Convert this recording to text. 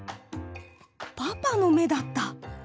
パパのめだった。